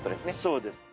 そうです。